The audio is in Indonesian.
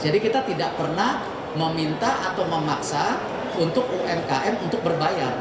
jadi kita tidak pernah meminta atau memaksa untuk umkm untuk berbayar